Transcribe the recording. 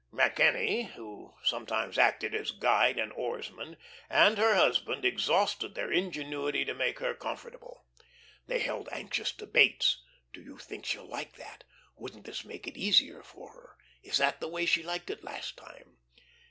MacKenny (who sometimes acted as guide and oarsman) and her husband exhausted their ingenuity to make her comfortable. They held anxious debates: "Do you think she'll like that?" "Wouldn't this make it easier for her?" "Is that the way she liked it last time?"